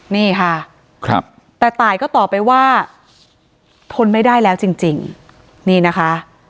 นี่ค่ะครับแต่ตายก็ตอบไปว่าทนไม่ได้แล้วจริงนี่นะคะ